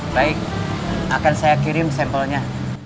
baik akan saya kirim sampelnya